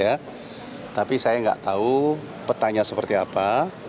ya tapi saya nggak tahu petanya seperti apa